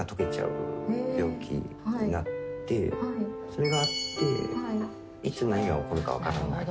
それがあっていつ何が起こるか分からない。